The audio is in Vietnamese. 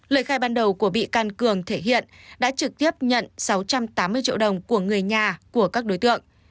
lời khai ban đầu của bị can cường thể hiện đã trực tiếp nhận sáu trăm tám mươi triệu đồng của người nhà của các đối tượng